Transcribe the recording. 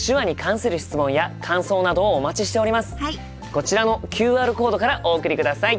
こちらのＱＲコードからお送りください。